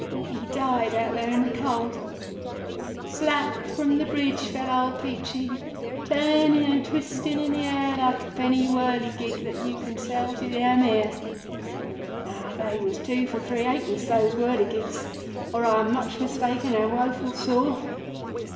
He died out there in the cold. Slap from the bridge fell old Peachey, turning and twisting in the air like a penny whirligig that you can sell to the Amir—No; they was two for three ha'pence, those whirligigs, or I am much mistaken and woful sore.